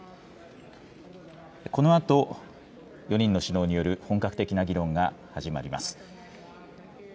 このあと、４人の首脳による本格的な議論が始まります。